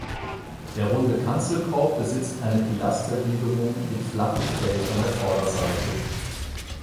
Der runde Kanzelkorb besitzt eine Pilastergliederung mit flachem Feld an der Vorderseite.